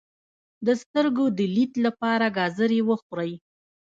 د سترګو د لید لپاره ګازرې وخورئ